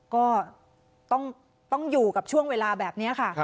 ก็ต้องอยู่กับช่วงเวลาแบบนี้ค่ะ